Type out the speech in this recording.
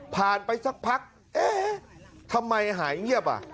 ไปสักพักเอ๊ะทำไมหายเงียบอ่ะ